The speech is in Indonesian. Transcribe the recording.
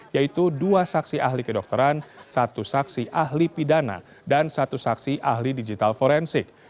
yaitu dua saksi ahli kedokteran satu saksi ahli pidana dan satu saksi ahli digital forensik